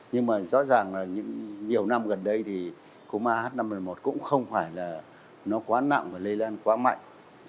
nhưng mà rõ ràng là nhiều năm gần đây thì cúm ah năm n một cũng không phải là nó quá nặng và lây lan quá mạnh